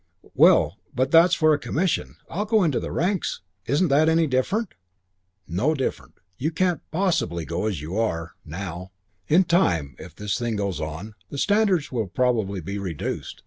"Well, but that's for a commission. I'll go into the ranks. Isn't that any different?" No different. "You can't possibly go in as you are now. In time, if this thing goes on, the standards will probably be reduced.